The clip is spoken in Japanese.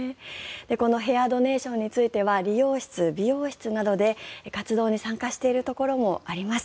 このヘアドネーションについては理容室、美容室などで活動に参加しているところもあります。